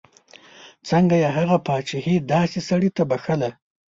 څنګه یې هغه پاچهي داسې سړي ته بخښله.